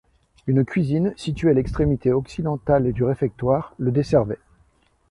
Une cuisine, située à l'extrémité occidentale du réfectoire, le desservait.